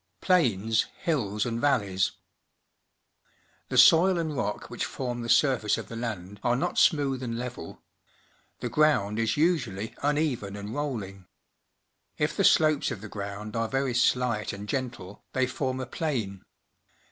Plains, Hills, and Valleys. — The soil and rock which form the surface of the land are not smooth and le\el. The ground is usuall}^ uneven and rolling. If the slopes of the ground are very slight and gentle, they form a plain.